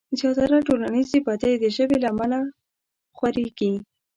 زياتره ټولنيزې بدۍ د ژبې له امله خورېږي.